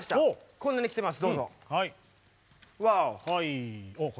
こんなにきてます。